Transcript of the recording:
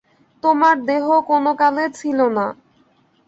তোমার দেহ কোন কালে ছিল না।